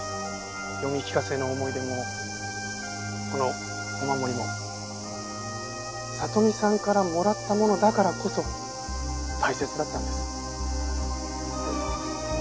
読み聞かせの思い出もこのお守りも里美さんからもらったものだからこそ大切だったんです。